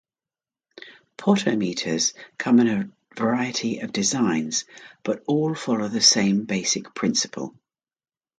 Potometers come in a variety of designs, but all follow the same basic principle.